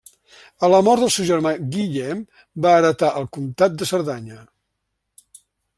A la mort del seu germà Guillem va heretar el comtat de Cerdanya.